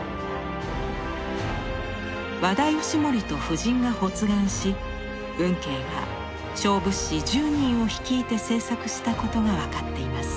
和田義盛と夫人が発願し運慶が小仏師１０人を率いて制作したことが分かっています。